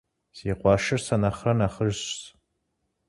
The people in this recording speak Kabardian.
Си къуэшыр сэ нэхърэ нэхъыжьщ.